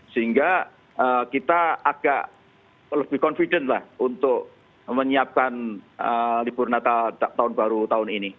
sehingga kita agak lebih confident lah untuk menyiapkan libur natal tahun baru tahun ini